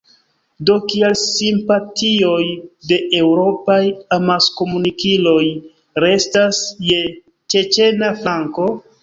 Do kial simpatioj de eŭropaj amaskomunikiloj restas je ĉeĉena flanko?